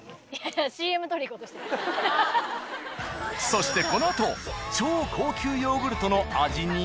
そしてこのあと超高級ヨーグルトの味に。